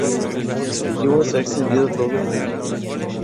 Su cultivo se ha extendido a todo el planeta.